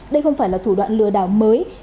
đây không phải là thủ đoạn lừa đảo mới